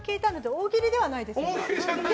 大喜利じゃないですよ。